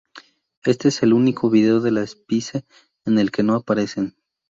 Este es el único vídeo de las Spice en el que no aparecen.